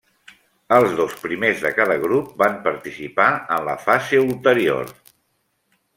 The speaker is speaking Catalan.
Els dos primers de cada grup van participar en la fase ulterior.